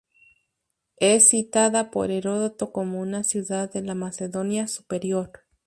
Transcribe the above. Es citada por Heródoto como una ciudad de la Macedonia Superior.